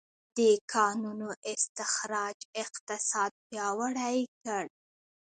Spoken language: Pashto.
د کانونو استخراج اقتصاد پیاوړی کړ.